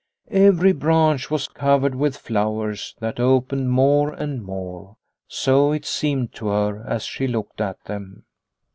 Every branch was covered with flowers that opened more and more, so it seemed to her, as she looked at them.